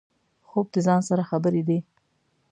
خوب د ځان سره خبرې دي